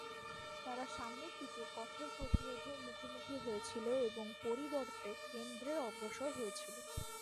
তারা সামনের দিকে কঠোর প্রতিরোধের মুখোমুখি হয়েছিল এবং পরিবর্তে কেন্দ্রে অগ্রসর হয়েছিল।